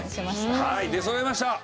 はい出そろいました。